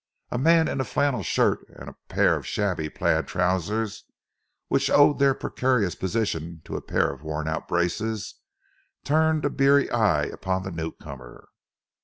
A man in a flannel shirt and pair of shabby plaid trousers, which owed their precarious position to a pair of worn out braces, turned a beery eye upon the newcomer.